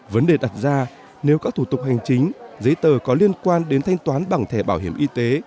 vấn đề đặt ra nếu các thủ tục hành chính giấy tờ có liên quan đến thanh toán bằng thẻ bảo hiểm y tế